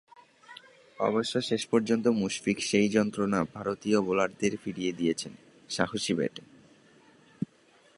অবশ্য শেষ পর্যন্ত মুশফিক সেই যন্ত্রণা ভারতীয় বোলারদেরই ফিরিয়ে দিয়েছেন সংহারী ব্যাটে।